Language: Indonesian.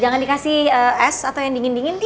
jangan dikasih es atau yang dingin dingin